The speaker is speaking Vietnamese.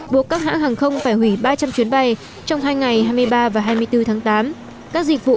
buộc các hãng hàng không phải hủy ba trăm linh chuyến bay trong hai ngày hai mươi ba và hai mươi bốn tháng tám các dịch vụ